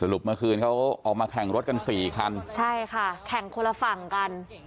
รุปเมื่อคืนเขาออกมาแข่งรถกันสี่คันใช่ค่ะแข่งคนละฝั่งกัน